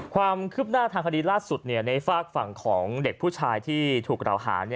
ความคืบหน้าทางคดีล่าสุดในฝากฝั่งของเด็กผู้ชายที่ถูกกล่าวหา